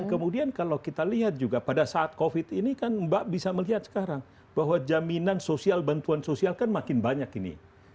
kemudian kalau kita lihat juga pada saat covid ini kan mbak bisa melihat sekarang bahwa jaminan sosial bantuan sosial kan makin banyak ini